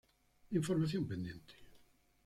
Información pendiente...